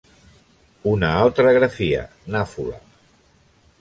Una altra grafia: Naphula.